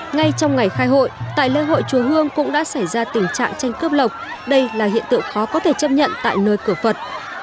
ngay trong ngày khai hội tại lễ hội chùa hương cũng đã xảy ra tình trạng tranh cướp lộc đây là hiện tượng khó có thể chấp nhận tại nơi cửa phật